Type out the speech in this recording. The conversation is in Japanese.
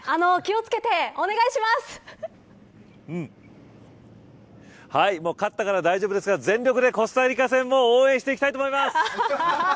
はい、勝ったから大丈夫ですが全力でコスタリカ戦も応援していきたいと思います。